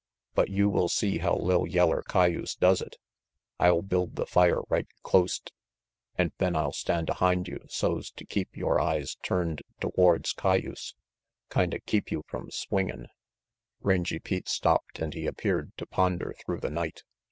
But you will see how li'l yeller cayuse does it. I'll build the fire right clost, an' then I'll stand ahind you so's to keep yore eyes turned towards cayuse kinda keep you from swingin' " Rangy Pete stopped and he appeared to ponder through the night.